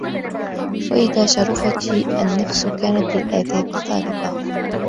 وَإِذَا شَرُفَتْ النَّفْسُ كَانَتْ لِلْآدَابِ طَالِبَةً